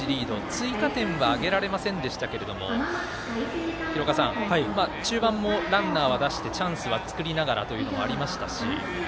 追加点は挙げられませんでしたけれども中盤もランナーは出してチャンスは作りながらというのがありましたし。